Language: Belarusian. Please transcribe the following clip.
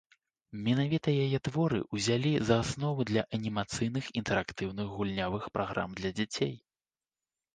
Менавіта яе творы ўзялі за аснову для анімацыйных інтэрактыўных гульнявых праграм для дзяцей.